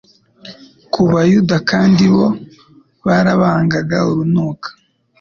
ku bayuda kandi bo barabangaga urunuka.